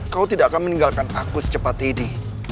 kau tidak akan meninggalkan aku secepat ini